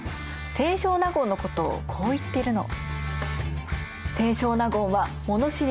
清少納言のことをこう言ってるの。